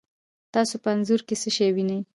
تاسو په انځور کې څه شی وینئ؟